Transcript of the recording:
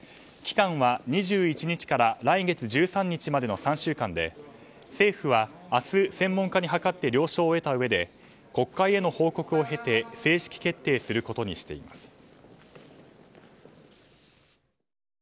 期間は２１日から来月１３日までの３週間で政府は明日、専門家に諮って了承を得たうえで国会への報告を経て正式決定することにしています。